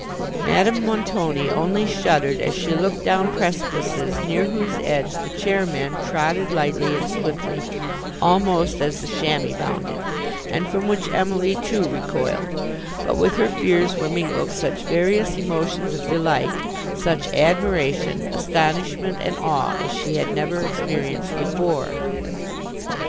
Madame Montoni only shuddered as she looked down precipices near whose edge the chairmen trotted lightly and swiftly, almost, as the chamois bounded, and from which Emily too recoiled; but with her fears were mingled such various emotions of delight, such admiration, astonishment, and awe, as she had never experienced before.